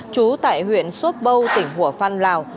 chú tại huyện xuất bâu tỉnh hủa phan lào